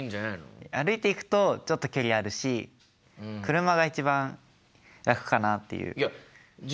歩いていくとちょっと距離あるし車が一番楽かなっていう。